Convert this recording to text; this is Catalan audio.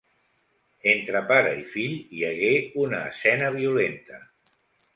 Entre pare i fill hi hagué una escena violenta.